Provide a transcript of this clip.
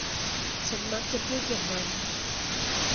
ฉันมักจะพูดอย่างนั้น